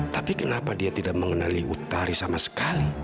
tapi kenapa dia tidak mengenali utari sama sekali